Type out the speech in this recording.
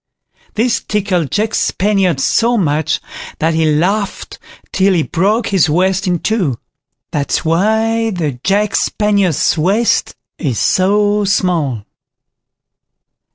This tickled Jack Spaniard so much, that he laughed till he broke his waist in two. That's why the Jack Spaniard's waist is so small.